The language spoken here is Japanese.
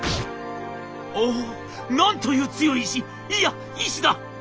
「おなんという強い石いや意志だ！